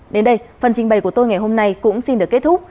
đến đây phần trình bày của tôi ngày hôm nay cũng xin được kết thúc